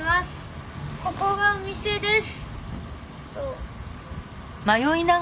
ここがお店です。